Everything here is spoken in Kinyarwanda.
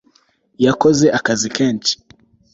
Yakoze akazi kenshi